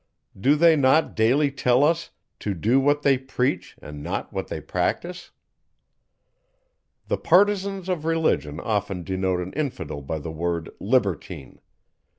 Do they not daily tell us, to do what they preach, and not what they practise? The partisans of Religion often denote an infidel by the word libertine.